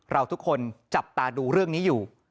เราทุกคนจับตาดูเรื่องนี้อยู่